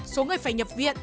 số người phải nhập viện